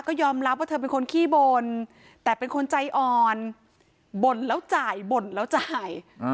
ก็ยอมรับว่าเธอเป็นคนขี้บ่นแต่เป็นคนใจอ่อนบ่นแล้วจ่ายบ่นแล้วจ่าย